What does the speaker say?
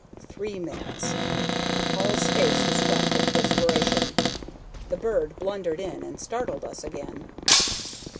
Three minutes! Hall's face was wet with perspiration. The bird blundered in and startled us again.